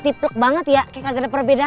ini kalau aa